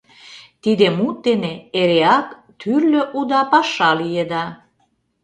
— Тиде мут дене эреак тӱрлӧ уда паша лиеда.